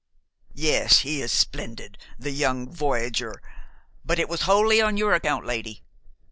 "Yes, he is splendid, the young voyageur; but it was wholly on your account, lady.